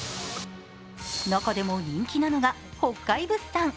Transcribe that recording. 中でも人気なのが北海物産。